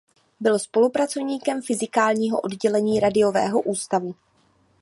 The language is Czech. Byl spolupracovníkem fyzikálního oddělení Radiového ústavu.